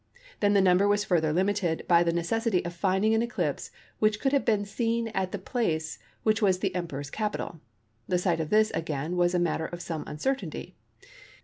Then the number was further limited by the necessity of finding an eclipse which could have been seen at the place which was the Emperor's capital. The site of this, again, was a matter of some uncertainty.